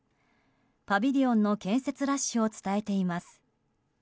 パビリオンの建設ラッシュを伝えています。